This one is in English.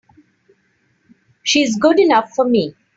She's good enough for me!